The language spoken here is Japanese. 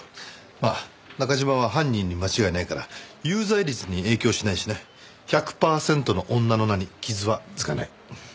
まあ中嶋は犯人に間違いないから有罪率に影響はしないしな「１００パーセントの女」の名に傷は付かない。